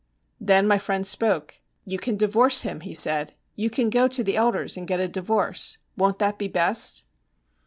Then my friend spoke. 'You can divorce him,' he said; 'you can go to the elders and get a divorce. Won't that be best?'